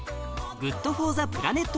「ＧｏｏｄＦｏｒｔｈｅＰｌａｎｅｔ